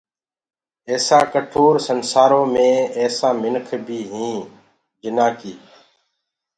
ايسآ ڪٺور سنسآرو ايسآ مِنک بي هيٚنٚ جنآ ڪي